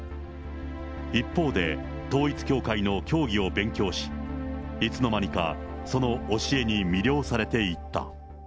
一方で、統一教会の教義を勉強し、いつのまにか、その教えに魅了されていった。